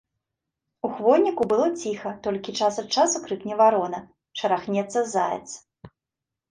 У хвойніку было ціха, толькі час ад часу крыкне варона, шарахнецца заяц.